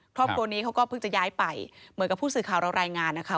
ครอบครัวนี้เขาก็เพิ่งจะย้ายไปเหมือนกับผู้สื่อข่าวเรารายงานนะคะ